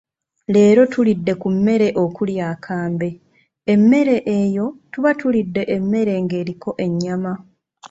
Leero tulidde ku mmere okuli akambe, emmere eyo tuba tulidde emmere ng'eriko ennyama.